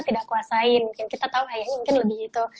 tidak kuasain kita tau ayahnya mungkin lebih gitu